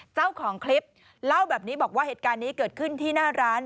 เจ้าของคลิปเล่าแบบนี้บอกว่าเหตุการณ์นี้เกิดขึ้นที่หน้าร้าน